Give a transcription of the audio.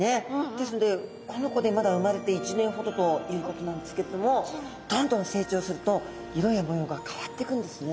ですのでこの子でまだ生まれて１年ほどということなんですけれどもどんどん成長すると色や模様が変わってくんですね。